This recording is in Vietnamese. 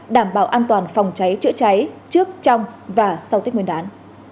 đảm bảo an toàn phòng cháy chữa cháy trước trong và sau tết nguyên đán